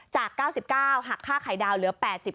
จาก๙๙หักค่าไข่ดาวเหลือ๘๐